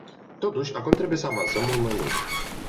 Totuși, acum trebuie să avansăm mult mai mult.